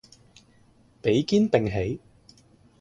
比肩並起